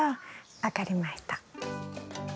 分かりました。